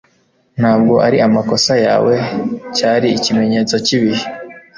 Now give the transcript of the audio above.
ntabwo ari amakosa yawe, cyari ikimenyetso cyibihe